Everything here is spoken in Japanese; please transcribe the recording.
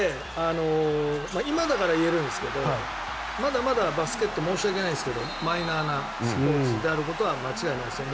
今だから言えるんですけどまだまだバスケ申し訳ないですけどマイナーなスポーツであることは間違いないですよね